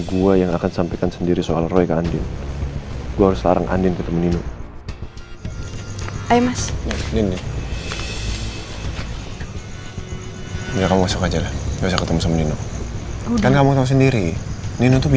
kayaknya emg bener dia udah tau soal roy